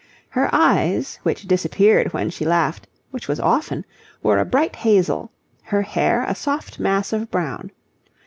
Her eyes, which disappeared when she laughed, which was often, were a bright hazel; her hair a soft mass of brown.